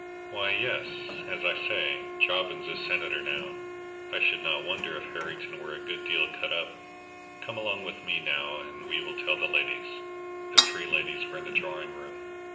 "Why, yes as I say, Jobbins is senator now. I should not wonder if Harrington were a good deal cut up. Come along with me, now, and we will tell the ladies." The three ladies were in the drawing room. Mrs.